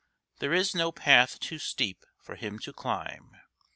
There is no path too steep for him to climb.